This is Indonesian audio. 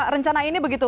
rencana ini begitu